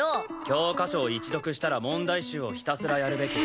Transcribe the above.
教科書を一読したら問題集をひたすらやるべき。